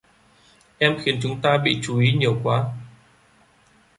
Em khiến chúng ta bị chú ý nhiều quá